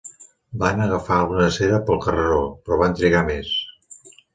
Vam agafar una drecera pel carreró, però vam trigar més.